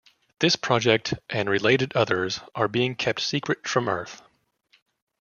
This project, and related others, are being kept secret from Earth.